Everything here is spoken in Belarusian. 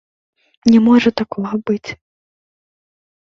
Не можа такога быць.